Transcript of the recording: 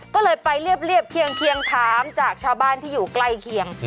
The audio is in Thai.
ก็เลยไปเรียบเคียงถามจากชาวบ้านที่อยู่ใกล้เคียง